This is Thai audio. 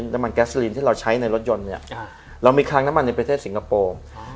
น้ำมันแก๊สเซอรินที่เราใช้ในรถยนต์เรามีค้างน้ำมันในประเทศสิงคโปร์